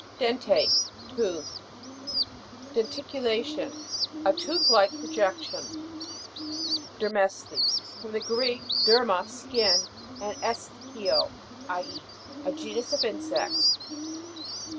DEN'TATE. Toothed. DENTICULA'TION. A tooth like pro jection. PERMES'TES. From the Greek, der ma, skin, and esthio, I eat. A genus of insects.